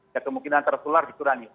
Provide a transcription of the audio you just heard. dan kemungkinan tertular dikurangi